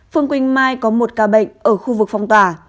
phương quỳnh mai có một ca bệnh ở khu vực phong tỏa